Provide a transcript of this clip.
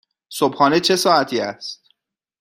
صبحانه چه ساعتی است؟